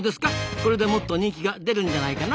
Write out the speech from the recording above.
これでもっと人気が出るんじゃないかな。